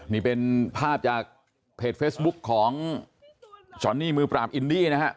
นี่เป็นภาพจากเพจเฟซบุ๊กของะอบกว